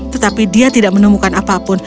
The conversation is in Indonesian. tetapi dia tidak menemukan apapun